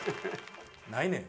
ないねん。